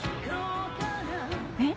えっ？